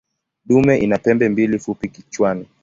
Dume ina pembe mbili fupi kichwani.